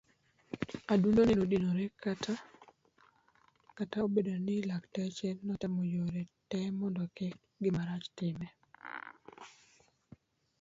Adundone nodinore kata obedo ni lakteche netemo yore te mondo kik gimarach time.